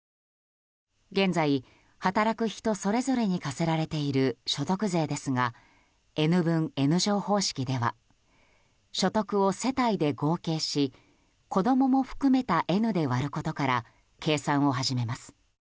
現在、働く人それぞれに課せられている所得税ですがＮ分Ｎ乗方式では所得を世帯で合計し子供も含めた「Ｎ」で割ることから計算を始めます。